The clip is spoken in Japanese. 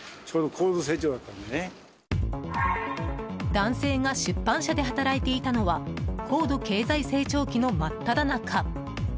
男性が出版社で働いていたのは高度経済成長期の真っただ中。